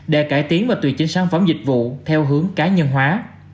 để cải tiến và tùy chỉnh sản phẩm dịch vụ theo hướng cá nhân hóa